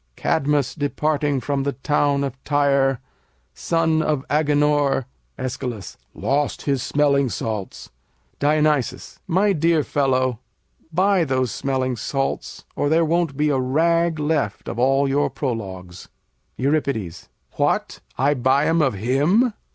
Cadmus departing from the town of Tyre, Son of Agenor Æsch. lost his smelling salts. Dion. My dear fellow, buy those smelling salts, or there won't be a rag left of all your prologues. Eur. What? I buy 'em of him?